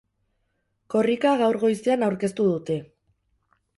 Korrika gaur goizean aurkeztu dute.